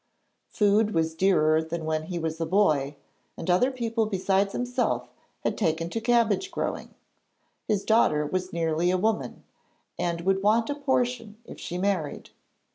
Food was dearer than when he was a boy, and other people besides himself had taken to cabbage growing. His daughter was nearly a woman, and would want a portion if she married.